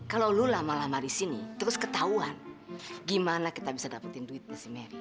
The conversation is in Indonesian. kalau lu lama lama di sini terus ketahuan gimana kita bisa dapetin duitnya si mary